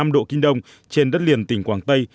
một trăm linh bảy năm độ kinh đông trên đất liền tỉnh quảng tây